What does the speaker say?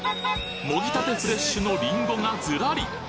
もぎたてフレッシュのりんごがずらり！